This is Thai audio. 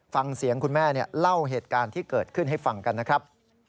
ฟังเสียงคุณแม่เล่าเหตุการณ์ที่เกิดขึ้นให้ฟังกันนะครับ